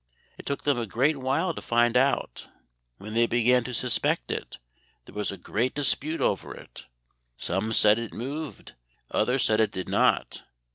It took them a great while to find it out. When they began to suspect it there was a great dispute over it. Some said it moved; others said it did not.